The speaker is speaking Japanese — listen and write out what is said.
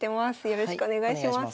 よろしくお願いします。